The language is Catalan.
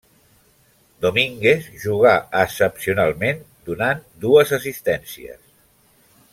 Domínguez jugà excepcionalment, donant dues assistències.